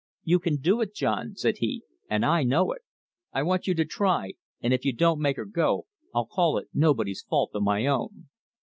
"You can do it, John," said he, "and I know it. I want you to try; and if you don't make her go, I'll call it nobody's fault but my own."